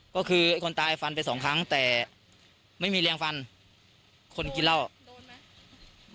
ก็คือไอ้คนตายฟันไปสองครั้งแต่ไม่มีแรงฟันคนกินเหล้าโดนไหม